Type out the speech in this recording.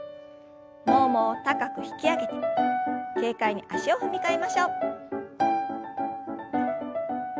ももを高く引き上げて軽快に足を踏み替えましょう。